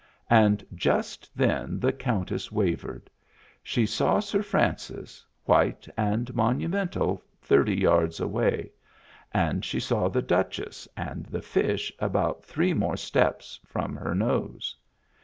And just then the Countess wavered. She saw Sir Francis, white and monumental, thirty yards away ; and she saw the Duchess and the fish about three more steps from her nose.